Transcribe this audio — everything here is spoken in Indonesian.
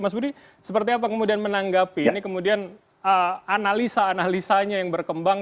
mas budi seperti apa kemudian menanggapi ini kemudian analisa analisanya yang berkembang